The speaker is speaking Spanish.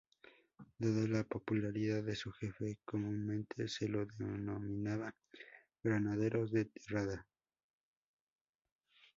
Dada la popularidad de su jefe, comúnmente se lo denominaba Granaderos de Terrada.